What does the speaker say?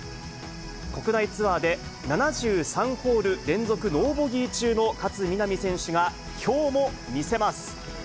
国内ツアーで７３ホール連続ノーボギー中の勝みなみ選手が、きょうも見せます。